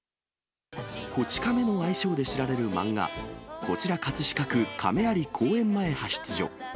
こち亀の愛称で知られる漫画、こちら葛飾区亀有公園前派出所。